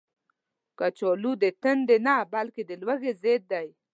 کچالو د تندې نه، بلکې د لوږې ضد دی